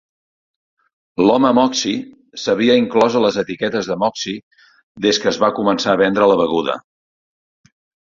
L'home Moxie s'havia inclòs a les etiquetes de Moxie des que es va començar a vendre la beguda.